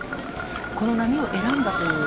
この波を選んだという。